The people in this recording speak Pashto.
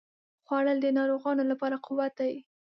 خوړل د ناروغانو لپاره قوت دی